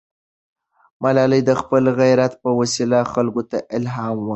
ملالۍ د خپل غیرت په وسیله خلکو ته الهام ورکړ.